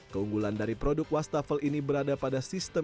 keunggulan dari produk wastafel ini berada pada sistem